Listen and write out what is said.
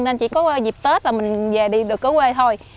nên chỉ có dịp tết là mình về đi được cứ quê thôi